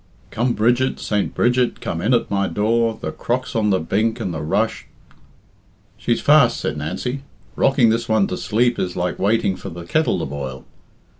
V. "Come, Bridget, Saint Bridget, come in at my door, The crock's on the bink and the rush " "She's fast," said Nancy. "Rocking this one to sleep is like waiting for the kettle to boil.